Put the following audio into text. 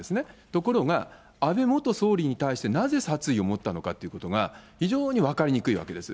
ところが、安倍元総理に対して、なぜ殺意を持ったのかということが非常に分かりにくいわけです。